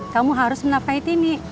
kamu harus menafai tini